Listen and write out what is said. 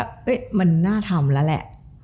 ว่ามันน่าทำแล้วแหละ